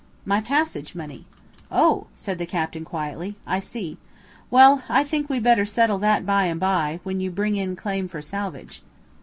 "My passage money." "Oh!" said the captain quietly, "I see. Well, I think we'd better settle that by and by when you bring in claim for salvage."